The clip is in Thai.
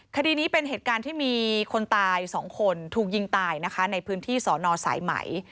คดีนี้เป็นเหตุการณ์ที่มีคนตาย๒คนถูกยิงตายนะคะในพื้นที่สอนอสายไหม